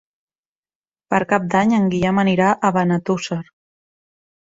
Per Cap d'Any en Guillem anirà a Benetússer.